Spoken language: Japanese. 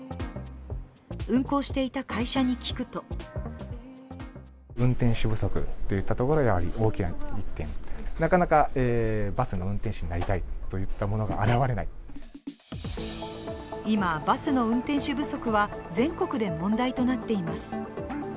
運行していた会社に聞くと今、バスの運転手不足は全国で問題となっています。